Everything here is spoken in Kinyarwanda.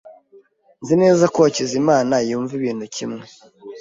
Nzi neza ko Hakizimana yumva ibintu kimwe.